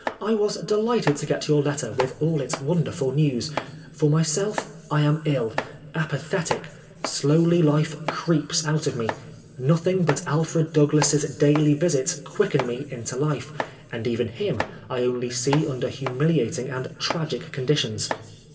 I was delighted to get your letter, with all its wonderful news. For myself, I am ill apathetic. Slowly life creeps out of me. Nothing but Alfred Douglas' daily visits quicken me into life, and even him I only see under humiliating and tragic conditions.